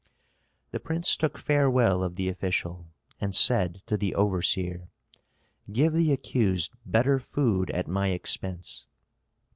The prince took farewell of the official, and said to the overseer, "Give the accused better food at my expense."